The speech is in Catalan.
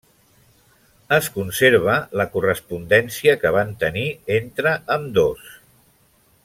Es conserva la correspondència que van tenir entre ambdós.